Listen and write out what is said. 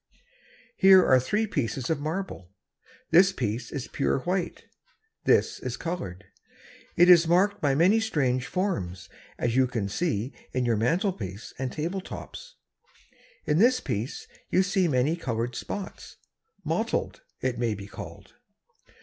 Here are three pieces of marble. This piece is pure white. This is colored. It is marked by many strange forms, as you see in your mantel pieces and table tops. In this piece, you see many colored spots mottled it may be called.